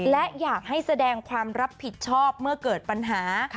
และอยากให้แสดงความรับผิดชอบเมื่อเกิดปัญหา